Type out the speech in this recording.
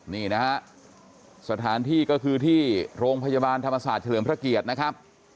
นี่นะฮะสถานที่ก็คือที่โรงพยาบาลธรรมศาสตร์เฉลิมพระเกียรตินะครับ